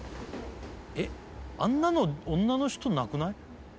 えっあんなの女の人なくない？